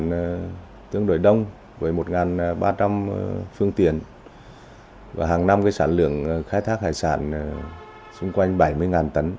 tương đối đông với một ba trăm linh phương tiện và hàng năm cái sản lượng khai thác hải sản xung quanh bảy mươi tấn